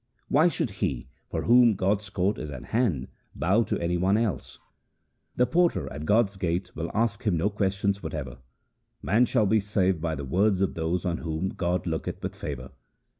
1 Why should he, for whom God's court is at hand, bow to any one else ? The porter at God's gate will ask him no questions whatever. Man shall be saved by the words of those on whom God looketh with favour.